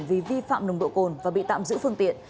vì vi phạm nồng độ cồn và bị tạm giữ phương tiện